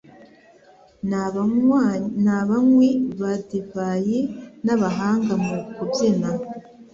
Ni abanywi ba divayi n'abahanga mu kubyina